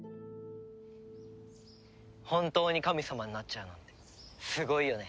本当に神様になっちゃうなんてすごいよね